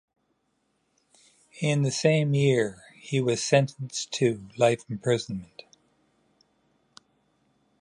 In the same year he was sentenced to life imprisonment.